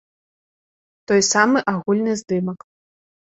Той самы агульны здымак.